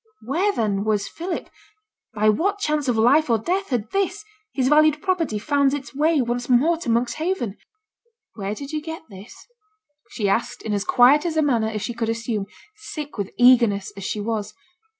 Where, then, was Philip? by what chance of life or death had this, his valued property, found its way once more to Monkshaven? 'Where did yo' get this?' she asked, in as quiet a manner as she could assume, sick with eagerness as she was.